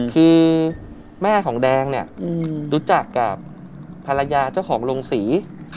คือแม่ของแดงเนี่ยรู้จักกับภรรยาเจ้าของโรงศรี